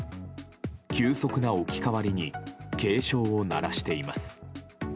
急速な置き換わりに警鐘を鳴らしています。